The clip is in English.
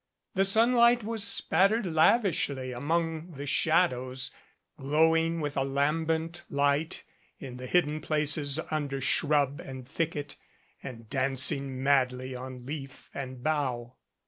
The sunlight was spattered lavishly among the shadows, glowing with a lambent light in the hidden places under shrub and thicket and dancing madly on leaf and bough.